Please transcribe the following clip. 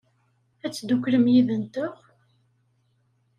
Ad tedduklem yid-nteɣ?